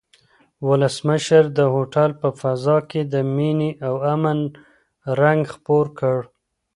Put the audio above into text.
ولسمشر د هوټل په فضا کې د مینې او امن رنګ خپور کړ.